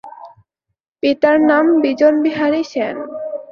পিতার নাম বিজন বিহারী সেন।